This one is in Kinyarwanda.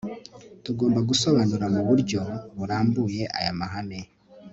tugomba gusobanura mu buryo buryo burambuye aya mahame